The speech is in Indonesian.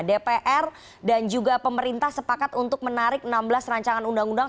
dpr dan juga pemerintah sepakat untuk menarik enam belas rancangan undang undang